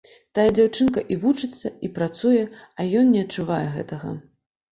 Тая дзяўчынка і вучыцца, і працуе, а ён не адчувае гэтага.